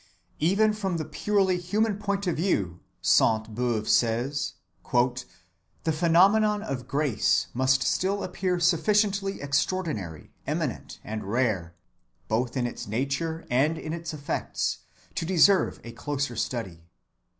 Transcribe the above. "Even from the purely human point of view," Sainte‐Beuve says, "the phenomenon of grace must still appear sufficiently extraordinary, eminent, and rare, both in its nature and in its effects, to deserve a closer study.